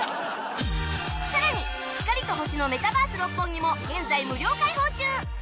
さらに光と星のメタバース六本木も現在無料開放中